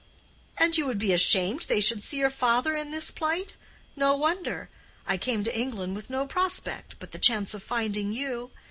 "And you would be ashamed they should see your father in this plight? No wonder. I came to England with no prospect, but the chance of finding you.